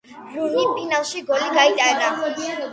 რუნიმ ფინალში გოლი გაიტანა.